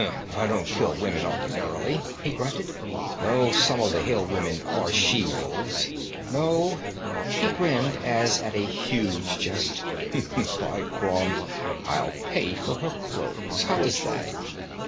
'I don't kill women ordinarily,' he grunted; 'though some of the hill women are she wolves. No,' he grinned as at a huge jest. 'By Crom, I'll pay for her clothes! How is that?'